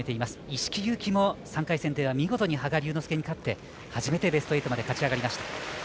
一色勇輝も３回戦では見事に羽賀龍之介に勝って初めてベスト８まで勝ち上がりました。